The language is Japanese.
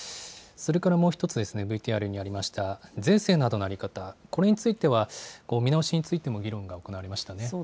それからもう一つですね、ＶＴＲにありました、税制などの在り方、これについては見直しについても議論が行われましたね。